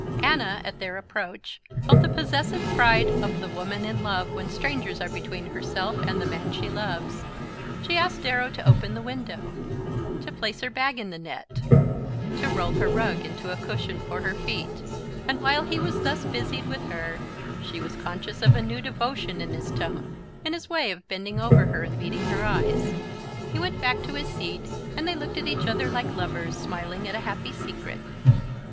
Anna, at their approach, felt the possessive pride of the woman in love when strangers are between herself and the man she loves. She asked Darrow to open the window, to place her bag in the net, to roll her rug into a cushion for her feet; and while he was thus busied with her she was conscious of a new devotion in his tone, in his way of bending over her and meeting her eyes. He went back to his seat, and they looked at each other like lovers smiling at a happy secret.